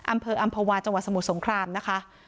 อำเภออำภาวาจังหวัดสมุทรสงครามนะคะ